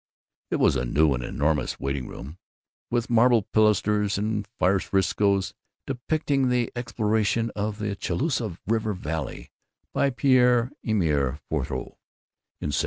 It was a new and enormous waiting room, with marble pilasters, and frescoes depicting the exploration of the Chaloosa River Valley by Père Emile Fauthoux in 1740.